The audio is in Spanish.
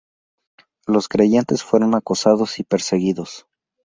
Los creyentes fueron acosados y perseguidos.